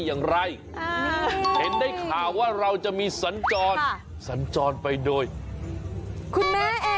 อย่างไรเห็นได้ข่าวว่าเราจะมีสัญจรสัญจรไปโดยคุณแม่แอร์